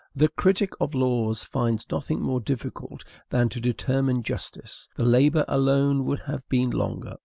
The critic of laws finds nothing more difficult than to determine justice: the labor alone would have been longer.